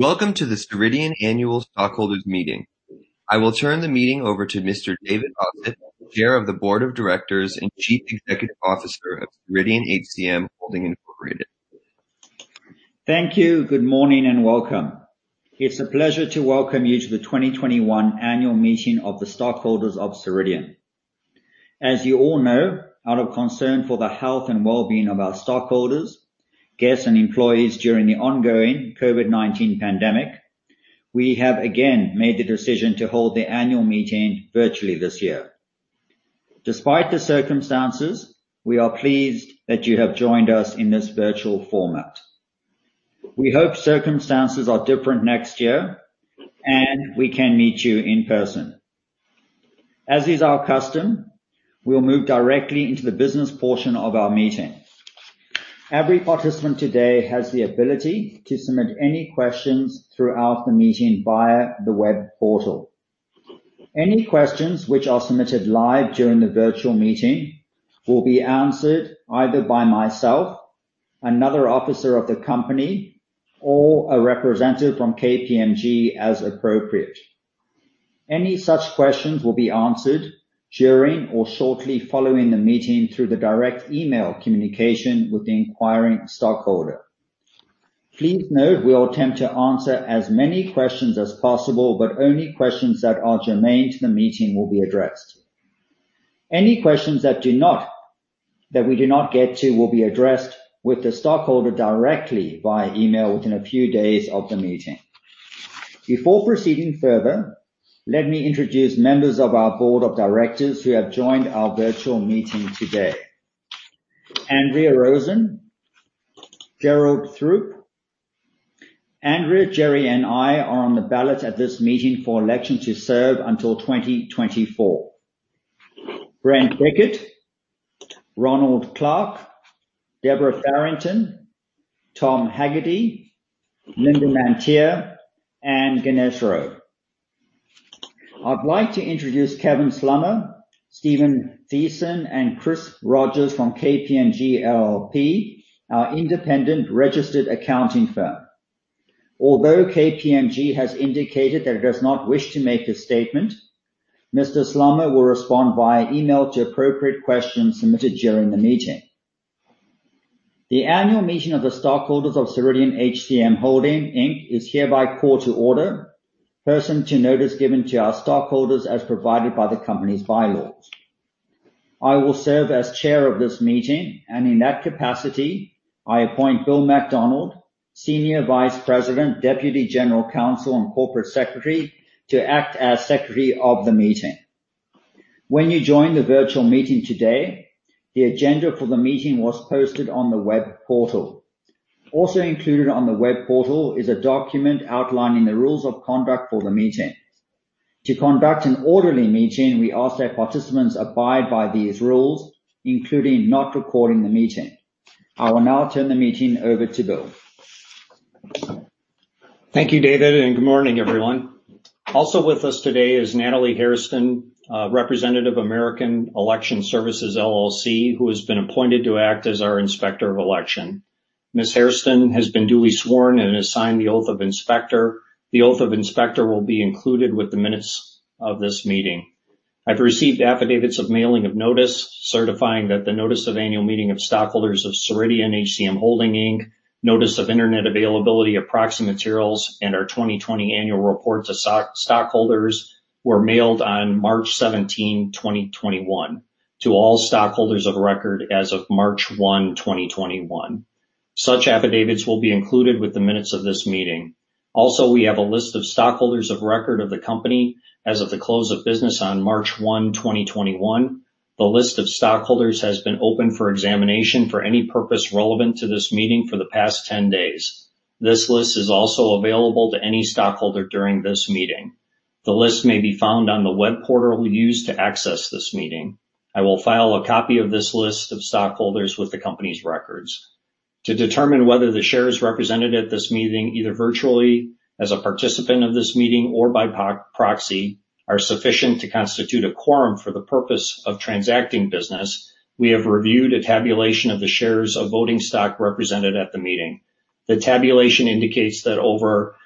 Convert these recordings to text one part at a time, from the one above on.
Welcome to this Ceridian Annual Stockholders Meeting. I will turn the meeting over to Mr. David Ossip, Chair of the Board of Directors and Chief Executive Officer of Ceridian HCM Holding, Incorporated. Thank you. Good morning and welcome. It's a pleasure to welcome you to the 2021 annual meeting of the stockholders of Ceridian. As you all know, out of concern for the health and wellbeing of our stockholders, guests, and employees during the ongoing COVID-19 pandemic, we have again made the decision to hold the annual meeting virtually this year. Despite the circumstances, we are pleased that you have joined us in this virtual format. We hope circumstances are different next year and we can meet you in person. As is our custom, we will move directly into the business portion of our meeting. Every participant today has the ability to submit any questions throughout the meeting via the web portal. Any questions which are submitted live during the virtual meeting will be answered either by myself, another officer of the company, or a representative from KPMG as appropriate. Any such questions will be answered during or shortly following the meeting through the direct email communication with the inquiring stockholder. Please note we will attempt to answer as many questions as possible, but only questions that are germane to the meeting will be addressed. Any questions that we do not get to will be addressed with the stockholder directly by email within a few days of the meeting. Before proceeding further, let me introduce members of our board of directors who have joined our virtual meeting today. Andrea Rosen, Gerald Throop. Andrea, Gerry, and I are on the ballot at this meeting for election to serve until 2024. Brent Bickett, Ronald Clarke, Deborah Farrington, Thomas Hagerty, Linda Mantia, and Ganesh Rao. I'd like to introduce Kevin Slummer, Steven Theisen, and Chris Rogers from KPMG LLP, our independent registered accounting firm. Although KPMG has indicated that it does not wish to make a statement, Mr. Slummer will respond via email to appropriate questions submitted during the meeting. The annual meeting of the stockholders of Ceridian HCM Holding, Inc. is hereby called to order pursuant to notice given to our stockholders as provided by the company's bylaws. I will serve as chair of this meeting, and in that capacity, I appoint Bill McDonald, Senior Vice President, Deputy General Counsel, and Corporate Secretary, to act as secretary of the meeting. When you joined the virtual meeting today, the agenda for the meeting was posted on the web portal. Also included on the web portal is a document outlining the rules of conduct for the meeting. To conduct an orderly meeting, we ask that participants abide by these rules, including not recording the meeting. I will now turn the meeting over to Bill. Thank you, David, and good morning, everyone. Also with us today is Natalie Hairston, a representative of American Election Services, LLC, who has been appointed to act as our Inspector of Election. Ms. Hairston has been duly sworn and has signed the Oath of Inspector. The Oath of Inspector will be included with the minutes of this meeting. I've received affidavits of mailing of notice certifying that the notice of annual meeting of stockholders of Ceridian HCM Holding, Inc., notice of internet availability of proxy materials, and our 2020 annual report to stockholders were mailed on March 17, 2021 to all stockholders of record as of March 1, 2021. Such affidavits will be included with the minutes of this meeting. Also, we have a list of stockholders of record of the company as of the close of business on March 1, 2021. The list of stockholders has been open for examination for any purpose relevant to this meeting for the past 10 days. This list is also available to any stockholder during this meeting. The list may be found on the web portal we used to access this meeting. I will file a copy of this list of stockholders with the company's records. To determine whether the shares represented at this meeting, either virtually, as a participant of this meeting, or by proxy, are sufficient to constitute a quorum for the purpose of transacting business, we have reviewed a tabulation of the shares of voting stock represented at the meeting. The tabulation indicates that over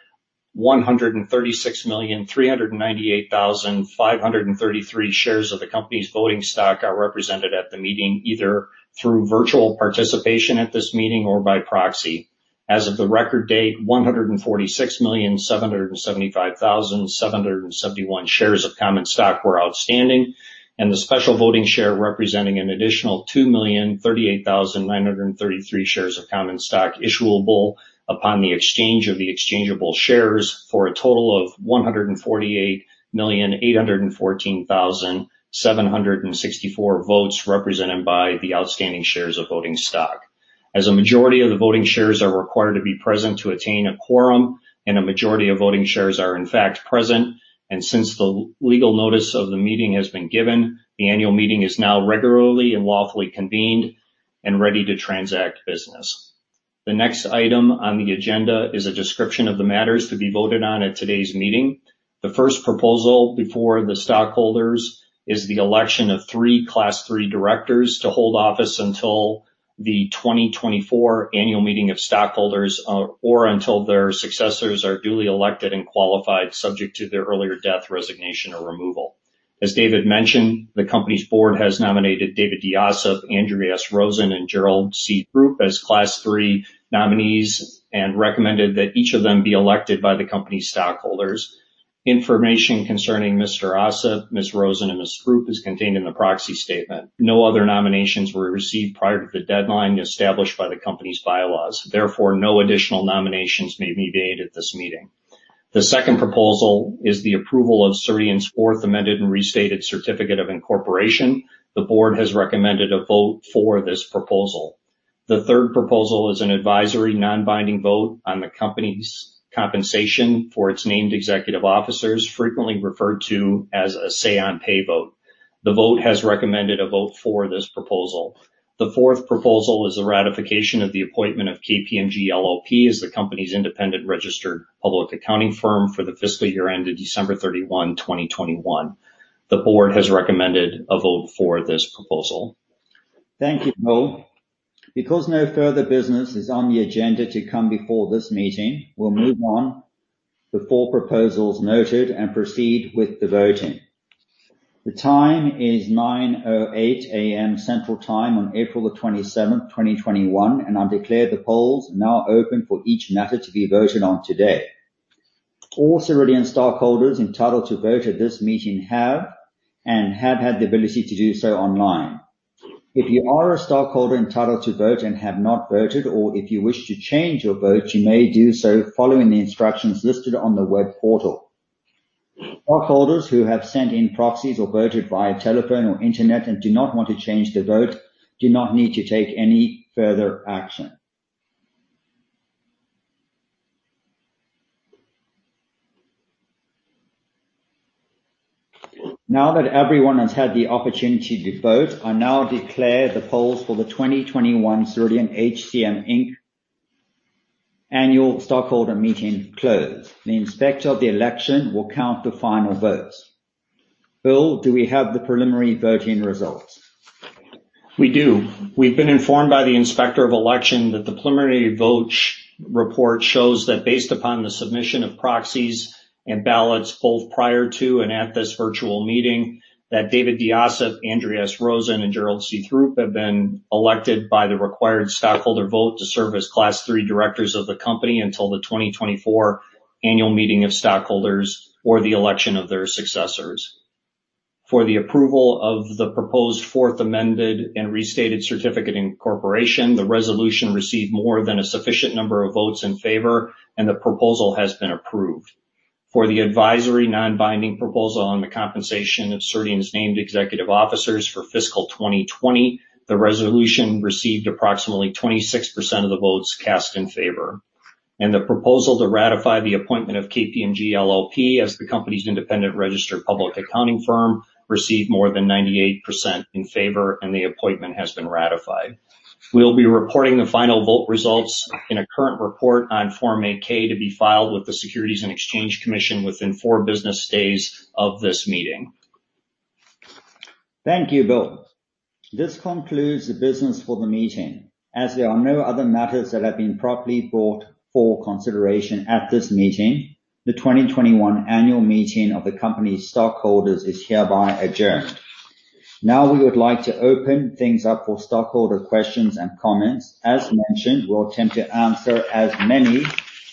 136,398,533 shares of the company's voting stock are represented at the meeting, either through virtual participation at this meeting or by proxy. As of the record date, 146,775,771 shares of common stock were outstanding, and the special voting share representing an additional 2,038,933 shares of common stock issuable upon the exchange of the exchangeable shares for a total of 148,814,764 votes represented by the outstanding shares of voting stock. As a majority of the voting shares are required to be present to attain a quorum and a majority of voting shares are in fact present, and since the legal notice of the meeting has been given, the annual meeting is now regularly and lawfully convened and ready to transact business. The next item on the agenda is a description of the matters to be voted on at today's meeting. The first proposal before the stockholders is the election of three Class III directors to hold office until the 2024 annual meeting of stockholders, or until their successors are duly elected and qualified, subject to their earlier death, resignation, or removal. As David mentioned, the company's board has nominated David Ossip, Andrea S. Rosen, and Gerald C. Throop as Class III nominees and recommended that each of them be elected by the company's stockholders. Information concerning Mr. Ossip, Ms. Rosen, and Mr. Throop is contained in the proxy statement. No other nominations were received prior to the deadline established by the company's bylaws. Therefore, no additional nominations may be made at this meeting. The second proposal is the approval of Ceridian's fourth amended and restated certificate of incorporation. The board has recommended a vote for this proposal. The third proposal is an advisory, non-binding vote on the company's compensation for its named executive officers, frequently referred to as a say-on-pay vote. The vote has recommended a vote for this proposal. The fourth proposal is the ratification of the appointment of KPMG LLP as the company's independent registered public accounting firm for the fiscal year ended December 31, 2021. The board has recommended a vote for this proposal. Thank you, Bill. Because no further business is on the agenda to come before this meeting, we'll move on the four proposals noted and proceed with the voting. The time is 9:08 A.M. Central time on April 27th, 2021. I declare the polls now open for each matter to be voted on today. All Ceridian stockholders entitled to vote at this meeting have and had the ability to do so online. If you are a stockholder entitled to vote and have not voted, or if you wish to change your vote, you may do so following the instructions listed on the web portal. Stockholders who have sent in proxies or voted via telephone or internet and do not want to change their vote do not need to take any further action. Now that everyone has had the opportunity to vote, I now declare the polls for the 2021 Ceridian HCM Inc. Annual Stockholder Meeting closed. The inspector of the election will count the final votes. Bill, do we have the preliminary voting results? We do. We've been informed by the inspector of election that the preliminary vote report shows that based upon the submission of proxies and ballots, both prior to and at this virtual meeting, that David Ossip, Andrea Rosen, and Gerald Throop have been elected by the required stockholder vote to serve as Class III directors of the company until the 2024 annual meeting of stockholders or the election of their successors. For the approval of the proposed fourth amended and restated certificate of incorporation, the resolution received more than a sufficient number of votes in favor, and the proposal has been approved. For the advisory, non-binding proposal on the compensation of Ceridian's named executive officers for fiscal 2020, the resolution received approximately 26% of the votes cast in favor. The proposal to ratify the appointment of KPMG LLP as the company's independent registered public accounting firm received more than 98% in favor, and the appointment has been ratified. We'll be reporting the final vote results in a current report on Form 8-K to be filed with the Securities and Exchange Commission within four business days of this meeting. Thank you, Bill. This concludes the business for the meeting. As there are no other matters that have been properly brought for consideration at this meeting, the 2021 annual meeting of the company's stockholders is hereby adjourned. Now we would like to open things up for stockholder questions and comments. As mentioned, we'll attempt to answer as many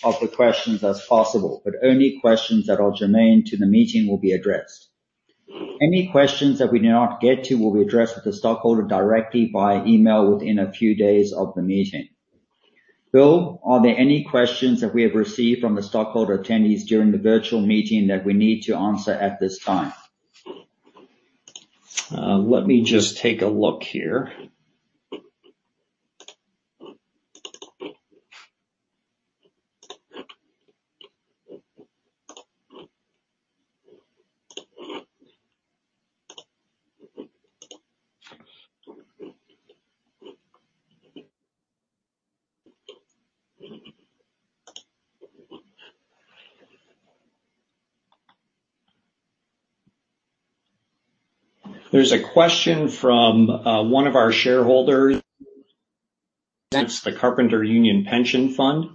of the questions as possible, but only questions that are germane to the meeting will be addressed. Any questions that we do not get to will be addressed with the stockholder directly by email within a few days of the meeting. Bill, are there any questions that we have received from the stockholder attendees during the virtual meeting that we need to answer at this time? Let me just take a look here. There's a question from one of our shareholders, that's the Carpenter Union Pension Fund,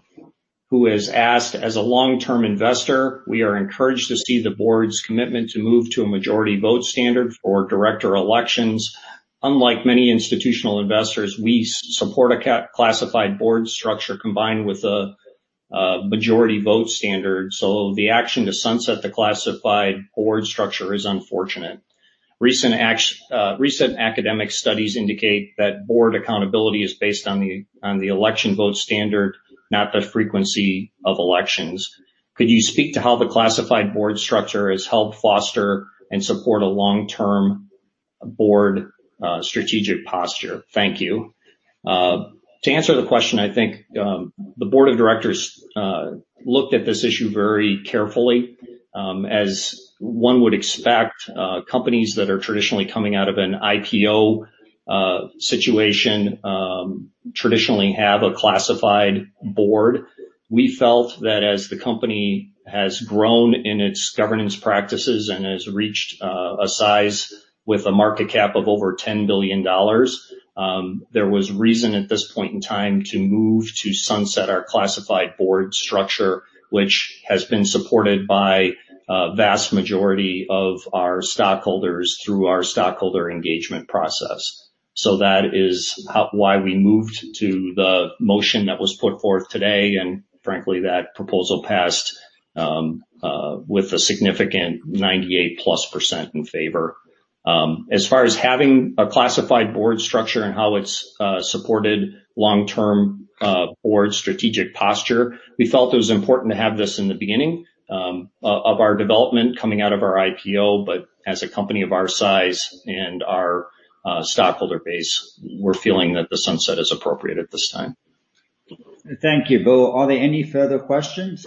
who has asked, as a long-term investor, we are encouraged to see the board's commitment to move to a majority vote standard for director elections. Unlike many institutional investors, we support a classified board structure combined with a majority vote standard. The action to sunset the classified board structure is unfortunate. Recent academic studies indicate that board accountability is based on the election vote standard, not the frequency of elections. Could you speak to how the classified board structure has helped foster and support a long-term board strategic posture? Thank you. To answer the question, I think the board of directors looked at this issue very carefully. As one would expect, companies that are traditionally coming out of an IPO situation traditionally have a classified board. We felt that as the company has grown in its governance practices and has reached a size with a market cap of over $10 billion, there was reason at this point in time to move to sunset our classified board structure, which has been supported by a vast majority of our stockholders through our stockholder engagement process. That is why we moved to the motion that was put forth today, and frankly, that proposal passed with a significant 98-plus % in favor. As far as having a classified board structure and how it's supported long-term board strategic posture, we felt it was important to have this in the beginning of our development coming out of our IPO, but as a company of our size and our stockholder base, we're feeling that the sunset is appropriate at this time. Thank you, Bill. Are there any further questions?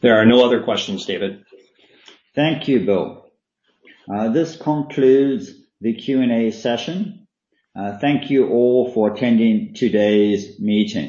There are no other questions, David. Thank you, Bill. This concludes the Q&A session. Thank you all for attending today's meeting.